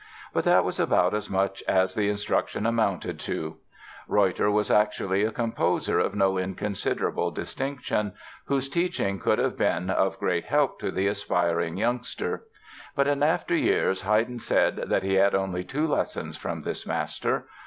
But that was about as much as the instruction amounted to. Reutter was actually a composer of no inconsiderable distinction, whose teaching could have been of great help to the aspiring youngster. But in after years Haydn said that he had only two lessons from this master.